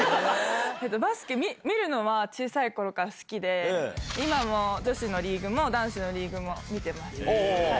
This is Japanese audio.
バスケ見るのは、小さいころから好きで、今も女子のリーグも、男子のリーグも見てます。